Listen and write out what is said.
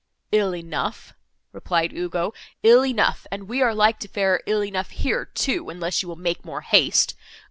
"Ill enough," replied Ugo, "ill enough and we are like to fare ill enough here, too, unless you will make more haste.